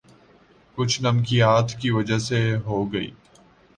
کچھ نمکیات کی وجہ سے ہوگی